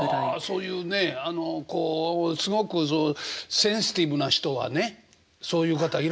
そういうねすごくセンシティブな人はねそういう方いらっしゃいますよ。